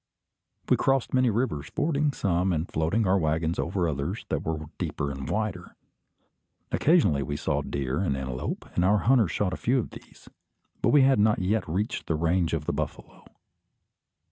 We crossed many rivers, fording some, and floating our waggons over others that were deeper and wider. Occasionally we saw deer and antelope, and our hunters shot a few of these; but we had not yet reached the range of the buffalo.